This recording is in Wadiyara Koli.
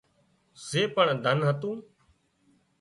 زي پڻ ڌن هتون